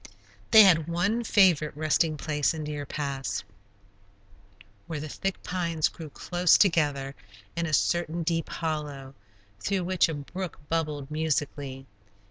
They had one favorite resting place in Deer Pass, where the thick pines grew close together in a certain deep hollow, through which a brook bubbled musically.